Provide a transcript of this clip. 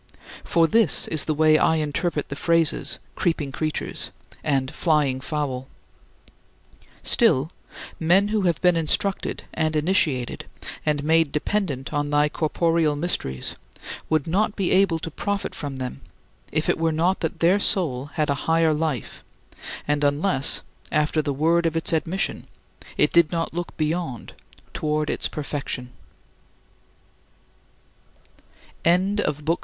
For this is the way I interpret the phrases "creeping creatures" and "flying fowl." Still, men who have been instructed and initiated and made dependent on thy corporeal mysteries would not be able to profit from them if it were not that their soul has a higher life and unless, after the word of its admission, it did not look beyond toward its perfection.